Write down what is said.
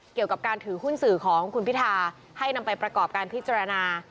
เกี่ยวกับการถือหุ้นสื่อของคุณพิทาให้นำไปประกอบการพิจารณา